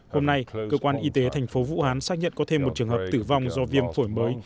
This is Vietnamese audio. hôm nay cơ quan y tế thành phố vũ hán xác nhận có thêm một trường hợp tử vong do viêm phổi mới